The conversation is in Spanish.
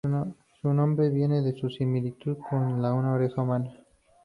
Su nombre viene de su similitud con una oreja humana.